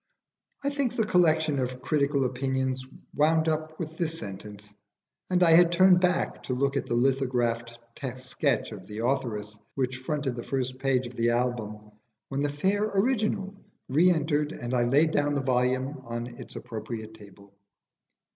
I think the collection of critical opinions wound up with this sentence, and I had turned back to look at the lithographed sketch of the authoress which fronted the first page of the album, when the fair original re entered and I laid down the volume on its appropriate table.